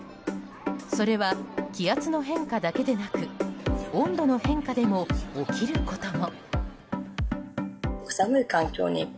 それは気圧の変化だけでなく温度の変化でも起きることも。